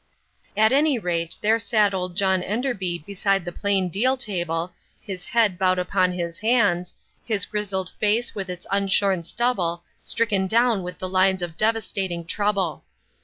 At any rate there sat old John Enderby beside the plain deal table, his head bowed upon his hands, his grizzled face with its unshorn stubble stricken down with the lines of devastating trouble.